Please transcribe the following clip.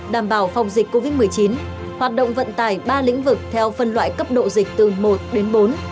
đảm bảo phòng dịch covid một mươi chín hoạt động vận tải ba lĩnh vực theo phân loại cấp độ dịch từ một đến bốn